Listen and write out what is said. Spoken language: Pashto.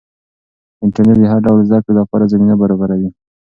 انټرنیټ د هر ډول زده کړې لپاره زمینه برابروي.